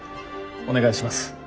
お願いします。